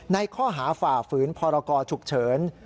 ข้อหาฝ่าฝืนพรกรฉุกเฉิน